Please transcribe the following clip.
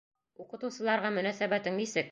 Уҡытыусыларға мөнәсәбәтең нисек?